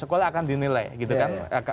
sekolah akan dinilai gitu kan